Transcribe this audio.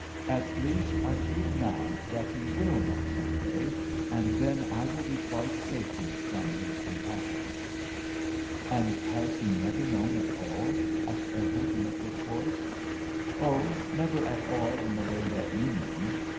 At least, I feel now that he will know some day, and then I will be quite sacred from his compassion." "And has he never known at all?" asked Everett, in a thick voice. "Oh! never at all in the way that you mean.